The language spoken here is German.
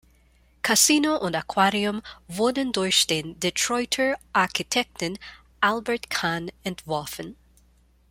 Casino und Aquarium wurden durch den Detroiter Architekten Albert Kahn entworfen.